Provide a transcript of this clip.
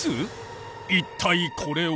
一体これは？